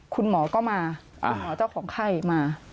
คุณหมอก็มาคุณหมอเจ้าของไข้มา